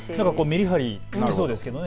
めりはりつきそうですけどね。